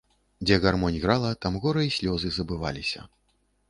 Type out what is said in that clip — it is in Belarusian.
Дзе гармонь грала, там гора і слёзы забываліся.